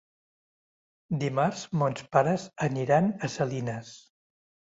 Dimarts mons pares aniran a Salines.